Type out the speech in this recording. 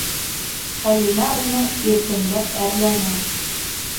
Хәлимә уны иркенләп әрләне: